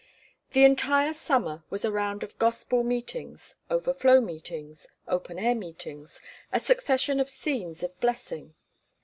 The entire summer was a round of Gospel meetings, overflow meetings, open air meetings, a succession of scenes of blessing.